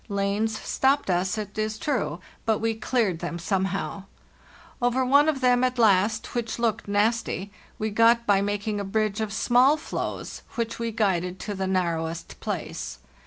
Lanes stopped us, it is true, but we cleared them somehow. Over one of them, the last, which looked nasty, we got by making a bridge of small floes, which we guided to the narrowest place.